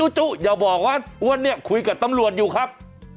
จุอย่าบอกว่าอ้วนเนี่ยคุยกับตำรวจอยู่ครับ